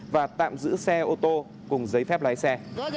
và tạm giữ xe ô tô cùng giấy phép lái xe